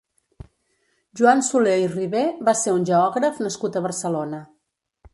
Joan Soler i Riber va ser un geògraf nascut a Barcelona.